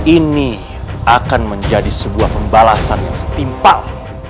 ini akan menjadi sebuah pembalasan yang setimpal